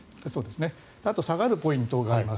あと下がるポイントがあります。